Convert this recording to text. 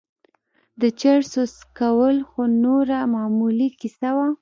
د چرسو څکول خو نوره معمولي کيسه وه.